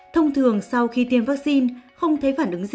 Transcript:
thông thường sau khi tiêm vaccine không thấy phản ứng gì